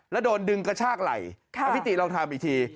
แล้วโดนดึงกระชากไหล่อพี่ติลองทำอีกที